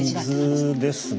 水ですね